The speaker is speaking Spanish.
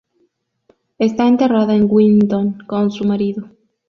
Está enterrada en Winton, con su marido.